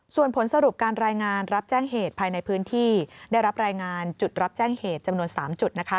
ส่วนผลสรุปการรายงานรับแจ้งเหตุภายในพื้นที่ได้รับรายงานจุดรับแจ้งเหตุจำนวน๓จุดนะคะ